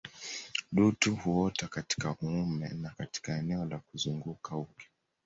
Dutu huota katika uume na katika eneo la kuzunguka uke